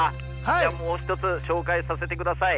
じゃもう一つ紹介させてください。